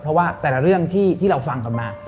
เพราะว่าแต่ละเรื่องที่เราฟังกันมา